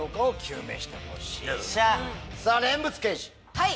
はい！